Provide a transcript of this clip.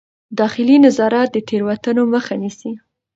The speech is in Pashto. داخلي نظارت د تېروتنو مخه نیسي.